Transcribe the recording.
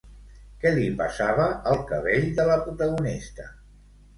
Què li passava al cabell de la protagonista?